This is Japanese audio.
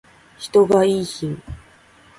人がいーひん